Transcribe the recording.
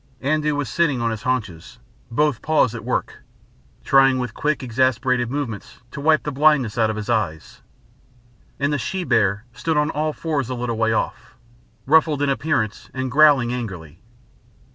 Andoo was sitting on his haunches, both paws at work, trying with quick exasperated movements to wipe the blindness out of his eyes, and the she bear stood on all fours a little way off, ruffled in appearance and growling angrily.